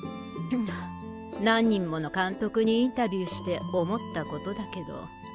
何人もの監督にインタビューして思ったことだけど。